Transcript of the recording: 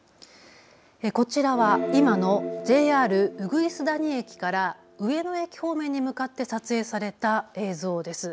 こちらは今のＪＲ鶯谷駅から上野駅方面に向かって撮影された映像です。